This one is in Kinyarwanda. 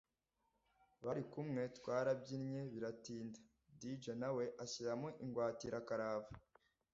barikumwe twarabyinnye biratinda dj nawe ashyiramo ingwatira karahava